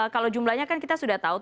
kalau jumlahnya kan kita sudah tahu